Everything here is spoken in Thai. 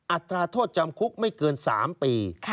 อัตราโทษจำคุกไม่เกิน๓ปี